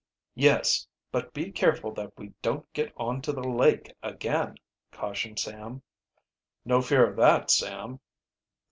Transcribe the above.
"Yes, but be careful that we don't get on to the lake again," cautioned Sam. "No fear of that, Sam."